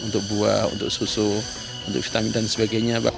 untuk buah untuk susu untuk vitamin dan sebagainya